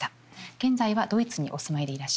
現在はドイツにお住まいでいらっしゃいます。